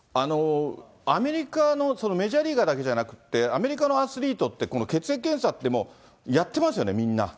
アメリカの、メジャーリーガーだけじゃなくて、アメリカのアスリートって、この血液検査って、もうやってますよね、みんな。